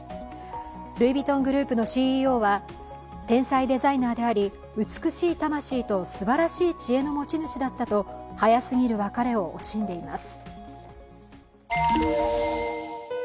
ルイ・ヴィトングループのＣＥＯは天才デザイナーであり美しい魂とすばらしい知恵の持ち主だったと早すぎる別れを惜しんでいます。